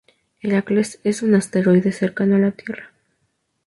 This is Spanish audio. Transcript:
Heracles es un asteroide cercano a la Tierra.